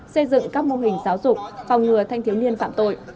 xây dựng các mô hình giáo dục phòng ngừa thanh thiếu niên phạm tội